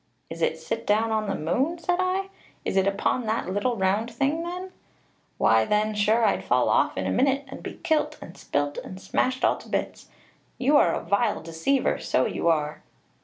'Is it sit down on the moon?' said I; 'is it upon that little round thing, then? why, then, sure I'd fall off in a minute, and be kilt and spilt, and smashed all to bits; you are a vile deceiver so you are.'